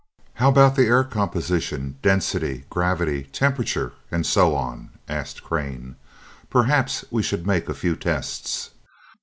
"How about the air composition, density, gravity, temperature, and so on?" asked Crane. "Perhaps we should make a few tests."